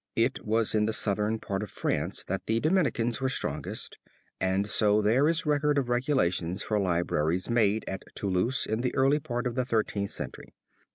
It was in the southern part of France that the Dominicans were strongest and so there is record of regulations for libraries made at Toulouse in the early part of the Thirteenth Century.